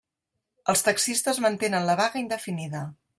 Els taxistes mantenen la vaga indefinida.